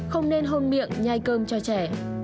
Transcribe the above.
không nên hôn miệng nhai cơm cho trẻ